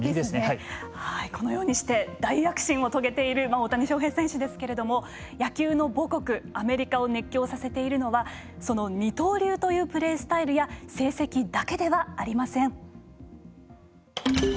このようにして大躍進を遂げている大谷翔平選手ですけれども野球の母国アメリカを熱狂させているのはその二刀流というプレースタイルや成績だけではありません。